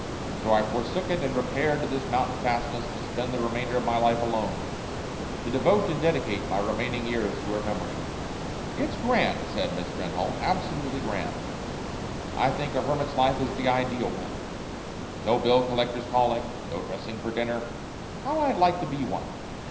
So I forsook it and repaired to this mountain fastness to spend the remainder of my life alone to devote and dedicate my remaining years to her memory." "It's grand," said Miss Trenholme, "absolutely grand. I think a hermit's life is the ideal one. No bill collectors calling, no dressing for dinner how I'd like to be one!